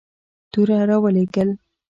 توره را ولېږل.